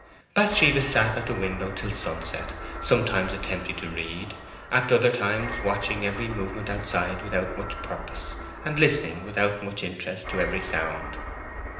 Bathsheba sat at the window till sunset, sometimes attempting to read, at other times watching every movement outside without much purpose, and listening without much interest to every sound.